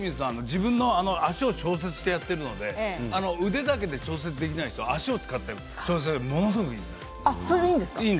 自分の足を調節してやっているので腕だけで調節できない人は使って調節するのはものすごくいいです。